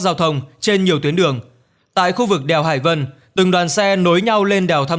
giao thông trên nhiều tuyến đường tại khu vực đèo hải vân từng đoàn xe nối nhau lên đèo tham